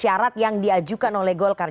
syarat yang diajukan oleh golkar